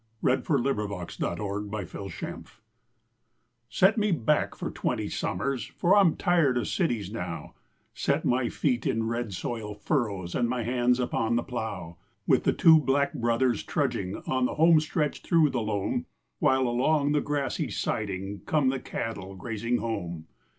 1907 The Shakedown on the Floor ET me back for twenty summers, For I'm tired of cities now Set my feet in red soil furrows And my hands upon the plough, With the two Black Brothers trudging On the home stretch through the loam While along the grassy sidling Come the cattle grazing home.